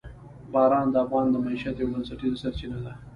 باران د افغانانو د معیشت یوه بنسټیزه سرچینه ده.